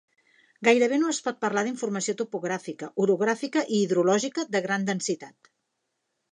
Gairebé no es pot parlar d'informació topogràfica, orogràfica i hidrològica de gran densitat.